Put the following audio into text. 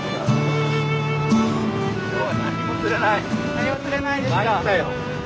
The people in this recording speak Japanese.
何も釣れないですか。